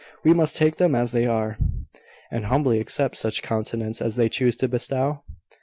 We must take them as they are." "And humbly accept such countenance as they choose to bestow?"